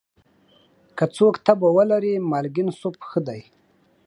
که څوک تبه ولري، مالګین سوپ ښه دی.